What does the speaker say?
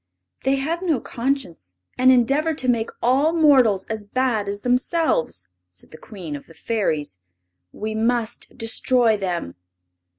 "They have no conscience, and endeavor to make all mortals as bad as themselves," said the Queen of the Fairies. "We must destroy them."